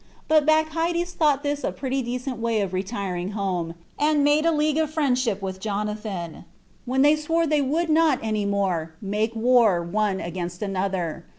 So Bacchides thought this a pretty decent way of retiring home, and made a league of friendship with Jonathan, when they sware that they would not any more make war one against another.